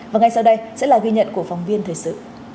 và ngay sau đây sẽ là ghi nhận của phóng viên thời sự